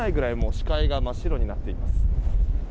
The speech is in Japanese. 視界が真っ白になっています。